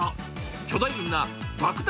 巨大な爆弾